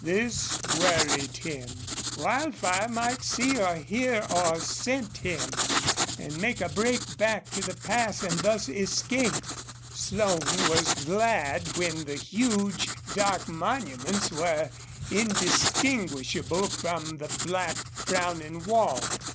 This worried him. Wildfire might see or hear or scent him, and make a break back to the pass and thus escape. Slone was glad when the huge, dark monuments were indistinguishable from the black, frowning wall.